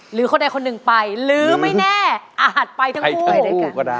หรือคนใดคนหนึ่งไปหรือไม่แน่อาจไปทั้งคู่